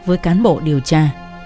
với cán bộ điều tra